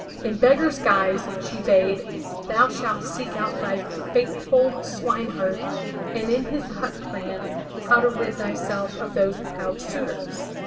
"In beggar's guise," she bade, '*thou shalt seek out thy faithful swineherd, and in his hut plan how to rid thyself of those proud suitors."